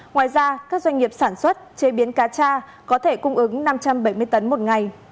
ngoài ra các doanh nghiệp sản xuất chế biến cá cha có thể cung ứng năm trăm bảy mươi tấn một ngày